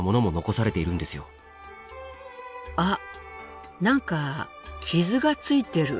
あっ何か傷がついてる。